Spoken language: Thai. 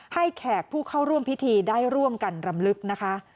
แขกผู้เข้าร่วมพิธีได้ร่วมกันรำลึกนะคะ